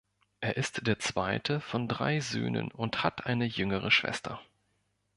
Er ist der zweite von drei Söhnen und hat eine jüngere Schwester.